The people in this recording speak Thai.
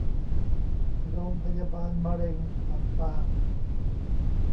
โรงพยาบาลมะเร็งลำปาง